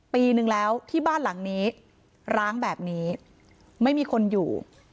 ปีนึงแล้วที่บ้านหลังนี้ร้างแบบนี้ไม่มีคนอยู่